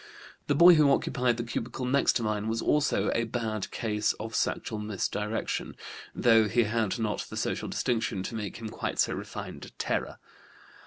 The boy who occupied the cubicle next to mine was also a bad case of sexual misdirection, though he had not the social distinction to make him quite so refined a terror.